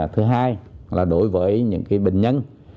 thứ hai là đối với những bệnh nhân